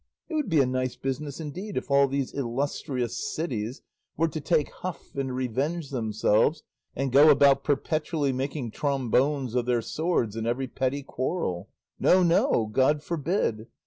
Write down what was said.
It would be a nice business indeed if all these illustrious cities were to take huff and revenge themselves and go about perpetually making trombones of their swords in every petty quarrel! No, no; God forbid!